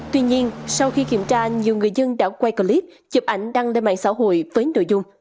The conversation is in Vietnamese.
tuy nhiên sau khi kiểm tra nhiều người dân đã quay clip chụp ảnh đăng lên mạng xã hội với nội dung